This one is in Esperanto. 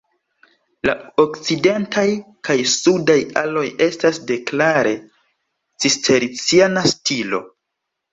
La okcidentaj kaj sudaj aloj estas de klare cisterciana stilo.